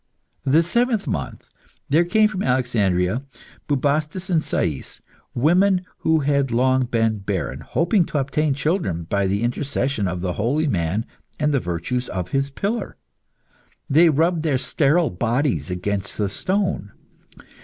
The seventh month, there came from Alexandria, Bubastis and Sais, women who had long been barren, hoping to obtain children by the intercession of the holy man and the virtues of his pillar. They rubbed their sterile bodies against the stone.